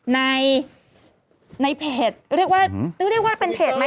ในเพจเรียกว่าเป็นเพจไหม